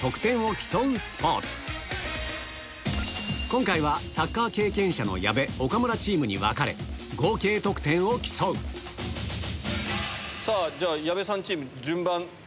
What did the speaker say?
今回はサッカー経験者の矢部岡村チームに分かれ合計得点を競うさぁ矢部さんチーム順番。